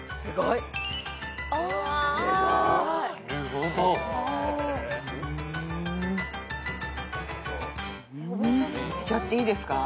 いっちゃっていいですか？